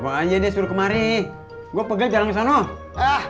gua pegel jalan kesana